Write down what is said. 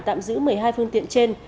tạm giữ một mươi hai phương tiện trên